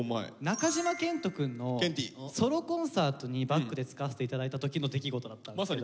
中島健人くんのソロコンサートにバックでつかせて頂いた時の出来事だったんですけど。